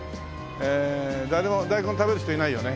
誰もダイコン食べる人いないよね？